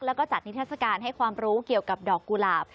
แล้วก็จัดนิทัศกาลให้ความรู้เกี่ยวกับดอกกุหลาบ